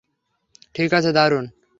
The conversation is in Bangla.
ঠিক আছে, দারুণ।